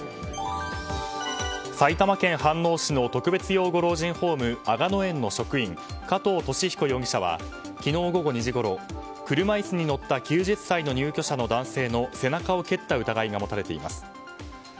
埼玉県飯能市の特別養護老人ホーム吾野園の職員加藤肇彦容疑者は昨日午後２時ごろ車椅子に乗った９０歳の入居者の男性の背中を蹴った疑いが持たれています。